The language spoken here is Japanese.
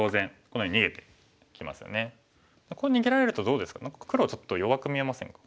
こう逃げられるとどうですか黒ちょっと弱く見えませんか？